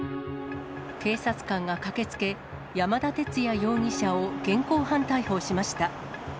警察官が駆けつけ、山田哲也容疑者を現行犯逮捕しました。